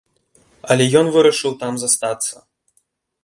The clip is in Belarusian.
Але ён вырашыў там застацца.